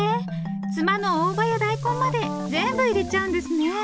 ツマの大葉や大根まで全部入れちゃうんですね。